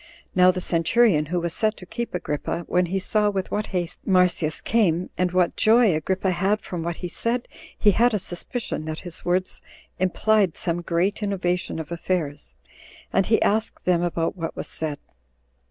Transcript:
Now the centurion who was set to keep Agrippa, when he saw with what haste Marsyas came, and what joy Agrippa had from what he said, he had a suspicion that his words implied some great innovation of affairs, and he asked them about what was said.